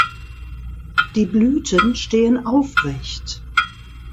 Die Blüten stehen aufrecht.